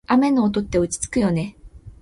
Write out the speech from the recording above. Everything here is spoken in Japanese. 雨の音って落ち着くよね。